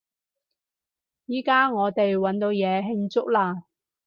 依加我哋搵到嘢慶祝喇！